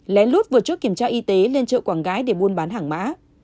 lén lút vừa trước kiểm tra y tế lên chợ quảng ngãi để buôn bán hàng mã